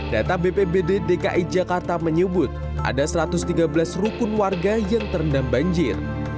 data bpbd dki jakarta menyebut ada satu ratus tiga belas rukun warga yang terendam banjir